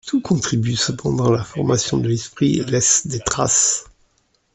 Tout contribue cependant à la formation de l'esprit et laisse des traces.